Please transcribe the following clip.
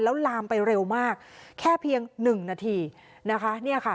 แล้วลามไปเร็วมากแค่เพียงหนึ่งนาทีนะคะเนี่ยค่ะ